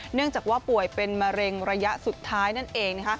เนื่องจากว่าป่วยเป็นมะเร็งระยะสุดท้ายนั่นเอง